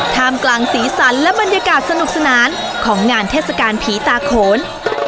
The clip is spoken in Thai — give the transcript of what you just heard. ท่ามกลางสีสันและบรรยากาศสนุกสนานของงานเทศกาลผีตาโขน